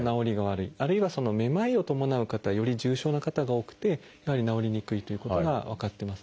あるいはめまいを伴う方はより重症な方が多くてやはり治りにくいということが分かってます。